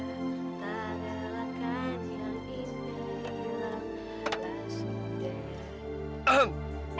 relakan yang indah hilanglah sudah